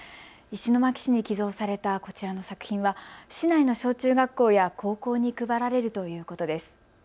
石巻市に寄贈されたこちらの作品は市内の小中学校や高校に配られるということです。